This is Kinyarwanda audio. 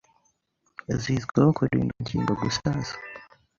zizwiho kurinda uturemangingo gusaza,